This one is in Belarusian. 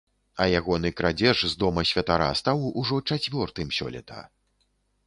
А ягоны крадзеж з дома святара стаў ужо чацвёртым сёлета.